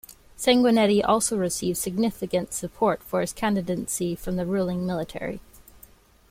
Sanguinetti also received significant support for his candidacy from the ruling military.